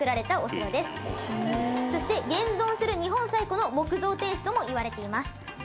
そして、現存する日本最古の木造天守とも言われています。